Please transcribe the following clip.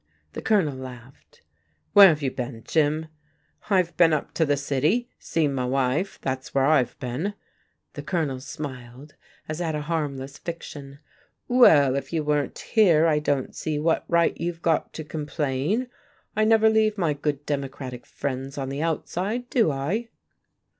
The Colonel laughed. "Where have you been, Jim?" "I've been up to the city, seem' my wife that's where I've been." The Colonel smiled, as at a harmless fiction. "Well, if you weren't here, I don't see what right you've got to complain. I never leave my good Democratic friends on the outside, do I?"